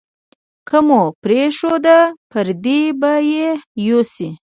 که مو پرېښوده، پردي به یې یوسي.